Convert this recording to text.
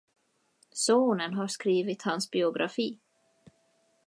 Sonen har skrivit hans biografi.